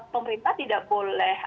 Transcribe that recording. pemerintah tidak boleh